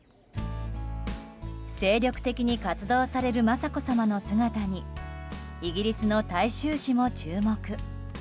精力的に活動される雅子さまの姿にイギリスの大衆紙も注目。